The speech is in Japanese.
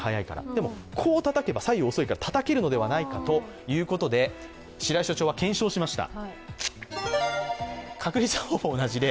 でも、こうたたけば左右は遅いからたたけるのではないかと白井所長は検証しました。